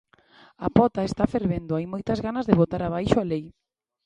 A pota está fervendo, hai moitas ganas de botar abaixo a lei.